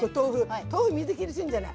豆腐水切りすんじゃない。